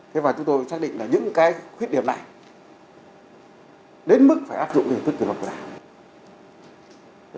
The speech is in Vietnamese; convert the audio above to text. thế và chúng tôi xác định là những cái khuyết điểm này đến mức phải áp dụng liên tức của đồng chí